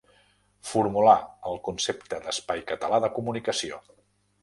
Formulà el concepte d'espai català de comunicació.